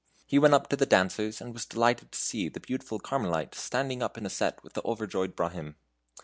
He went up to the dancers, and was delighted to see the beautiful Carmelite standing up in a set with the overjoyed Brahmin.